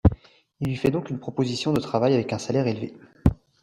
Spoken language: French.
Il lui fait donc une proposition de travail, avec un salaire élevé.